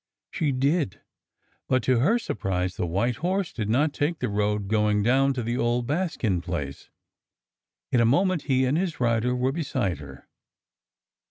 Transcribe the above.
She did. But, to her surprise, the white horse did not take the road going down to the old Baskin place. In a moment he and his rider were beside her.